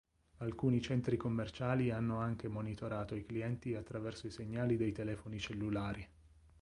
Alcuni centri commerciali hanno anche monitorato i clienti attraverso i segnali dei telefoni cellulari.